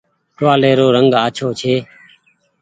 ٽوهآلي رو رنگ آڇو ڇي۔